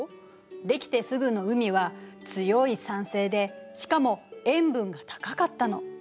出来てすぐの海は強い酸性でしかも塩分が高かったの。